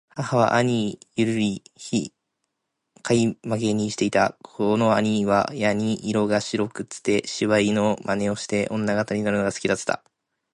母は兄許り贔負にして居た。此兄はやに色が白くつて、芝居の真似をして女形になるのが好きだつた。